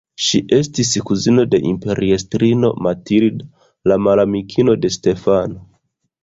Ŝi estis kuzino de imperiestrino Matilda, la malamiko de Stefano.